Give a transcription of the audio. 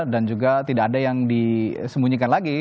dan juga tidak ada yang disembunyikan lagi